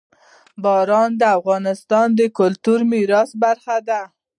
باران د افغانستان د کلتوري میراث برخه ده.